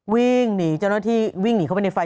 วิ่งหนีเจ้าหน้าที่วิ่งหนีเข้าไปในไฟ